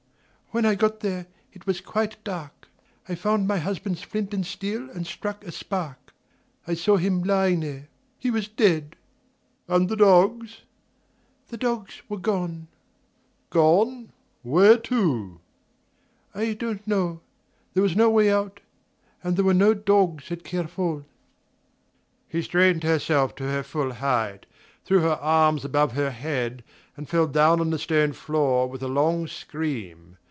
"When I got there it was quite dark. I found my husband's flint and steel and struck a spark. I saw him lying there. He was dead." "And the dogs?" "The dogs were gone." "Gone where to?" "I don't know. There was no way out and there were no dogs at Kerfol." She straightened herself to her full height, threw her arms above her head, and fell down on the stone floor with a long scream.